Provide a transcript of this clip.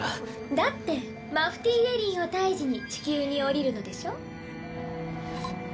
だってマフティー・エリンを退治に地球に降りるのでしょ？